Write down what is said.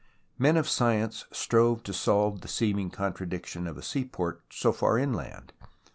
Men of science strove to solve the seeming contra diction of a seaport so far inland.